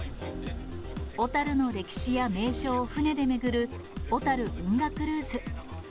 小樽の歴史や名所を船で巡る小樽運河クルーズ。